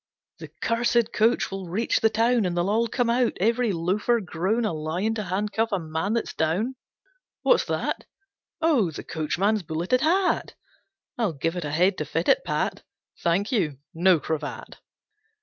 The cursed coach will reach the town And they'll all come out, every loafer grown A lion to handcuff a man that's down. What's that? Oh, the coachman's bulleted hat! I'll give it a head to fit it pat. Thank you! No cravat.